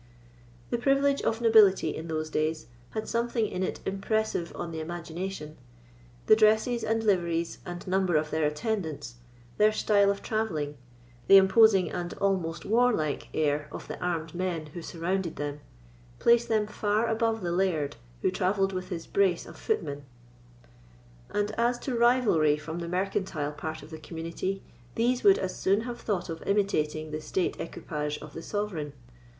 The privilege of nobility, in those days, had something in it impressive on the imagination. The dresses and liveries and number of their attendants, their style of travelling, the imposing, and almost warlike, air of the armed men who surrounded them, place them far above the laird, who travelled with his brace of footmen; and as to rivalry from the mercantile part of the community, these would as soon have thought of imitating the state equipage of the Sovereign.